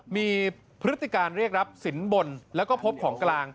มีพฤติการเรียกรับสินบนแล้วก็พบของกลาง